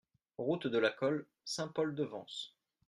Route de la Colle, Saint-Paul-de-Vence